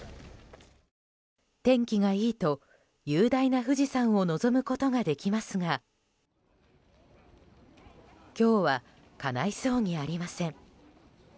天気がいいと雄大な富士山を望むことができますが今日はかないそうにありません。